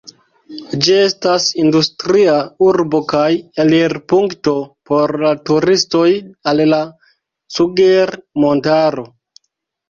Ĝi estas industria urbo kaj elirpunkto por la turistoj al la Cugir-montaro.